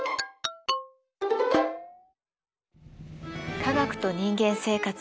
「科学と人間生活」。